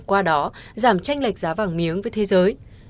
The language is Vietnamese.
qua đó giảm tranh lệch giá vàng miếng với thế giới